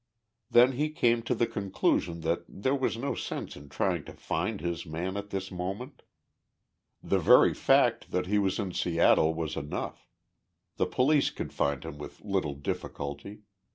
Then he came to the conclusion that there was no sense in trying to find his man at this moment. The very fact that he was in Seattle was enough. The police could find him with little difficulty.